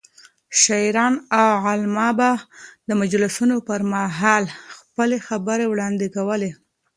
شاعران او علما به د مجلسونو پر مهال خپلې خبرې وړاندې کولې.